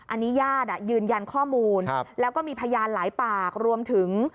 อันนี้ญาติยืนยันข้อมูลแล้วก็มีพยานหลายปากรวมถึง